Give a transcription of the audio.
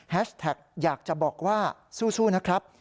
แท็กอยากจะบอกว่าสู้นะครับ